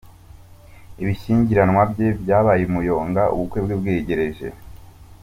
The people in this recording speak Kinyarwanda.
Ibishyingiranwa bye byabaye umuyonga ubukwe bwegereje